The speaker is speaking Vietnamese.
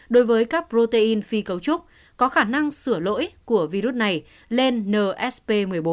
đối với các protein phi cấu trúc có khả năng sửa lỗi của virus này lên nsp một mươi bốn